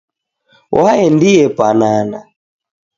Waendie panana.